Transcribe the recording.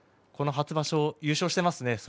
初場所、優勝していますね。